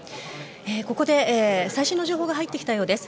ここで最新の情報が入ってきたようです。